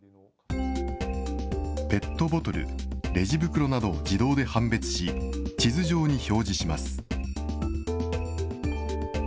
ペットボトル、レジ袋などを自動で判別し、地図上に表示します。